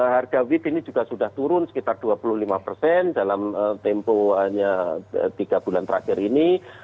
harga weed ini juga sudah turun sekitar dua puluh lima dalam tempo hanya tiga bulan terakhir ini